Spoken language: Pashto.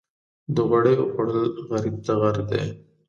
د غوړیو خوړل غریب ته غر دي.